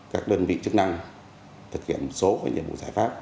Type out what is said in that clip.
các đơn vị chức năng thực hiện số và nhiệm vụ giải pháp